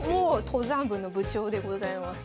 登山部の部長でございます。